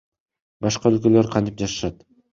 Башка өлкөлөр кантип жашашат?